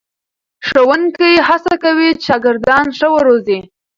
ښوونکي هڅه کوي چې شاګردان ښه وروزي.